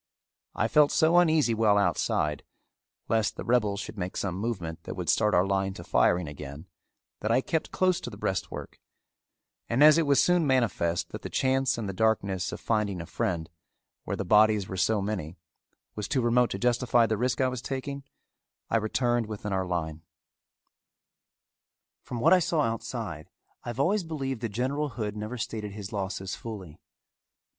I felt so uneasy while outside, lest the rebels should make some movement that would start our line to firing again that I kept close to the breastwork, and as it was soon manifest that the chance in the darkness of finding a friend, where the bodies were so many, was too remote to justify the risk I was taking, I returned within our line. From what I saw while outside I have always believed that General Hood never stated his losses fully.